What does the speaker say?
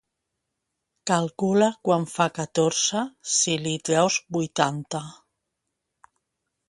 Calcula quant fa catorze si li treus vuitanta.